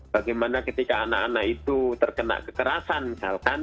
bagaimana ketika anak anak itu terkena kekerasan misalkan